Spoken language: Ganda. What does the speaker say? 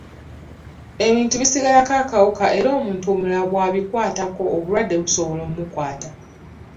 Ebintu bisigalako akawuka era omuntu omulala bw’abikwatako obulwadde busobola okumukwata.